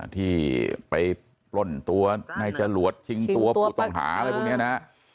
ที่ไปปล้นตัวนายจรวดชิงตัวผู้ต้องหาอะไรพวกนี้นะ